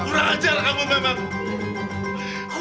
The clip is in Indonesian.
kurang ajar kamu memang